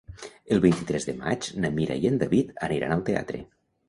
El vint-i-tres de maig na Mira i en David aniran al teatre.